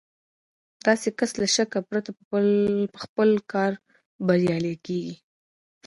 داسې کس له شکه پرته په خپل کار بريالی کېږي.